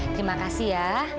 terima kasih ya